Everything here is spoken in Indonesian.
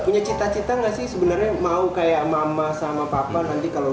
punya cita cita nggak sih sebenarnya mau kayak mama sama papa nanti kalau